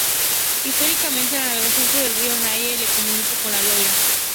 Históricamente, la navegación por el río Mayenne la comunica con el Loira.